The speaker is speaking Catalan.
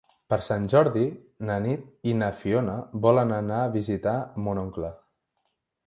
Per Sant Jordi na Nit i na Fiona volen anar a visitar mon oncle.